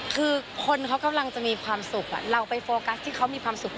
คือคนเขากำลังจะมีความสุขเราไปโฟกัสที่เขามีความสุข